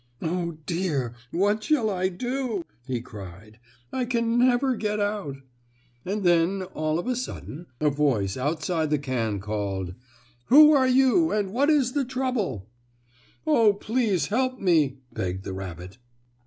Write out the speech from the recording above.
"Oh, dear! What shall I do?" he cried. "I can never get out!" And then, all of a sudden, a voice outside the can called: "Who are you, and what is the trouble?" "Oh, please help me," begged the rabbit.